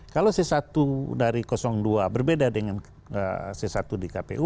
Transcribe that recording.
kalau c satu dari dua berbeda dengan c satu di kpu